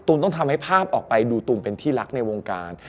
ต้องทำให้ภาพออกไปดูตูมเป็นที่รักในวงการ